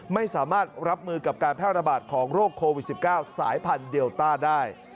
ไม่สามารถรับมือกับการแพร่ระบาดของโรคโควิด๑๙สายพันธุเดลต้าได้